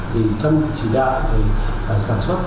thì trong chỉ đạo sản xuất